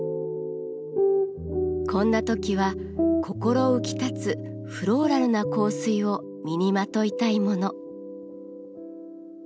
こんな時は心浮きたつフローラルな香水を身にまといたいもの。